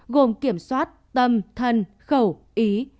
gồm kiểm soát tâm thân khẩu ý